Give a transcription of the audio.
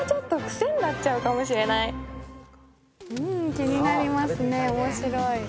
気になりますね面白い。